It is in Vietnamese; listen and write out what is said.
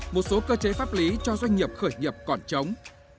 một số cơ chế pháp lý cho doanh nghiệp khởi nghiệp còn chống